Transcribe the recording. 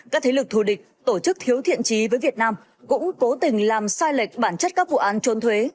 các thế lực thù địch tổ chức thiếu thiện trí với việt nam cũng cố tình làm sai lệch bản chất các vụ án trốn thuế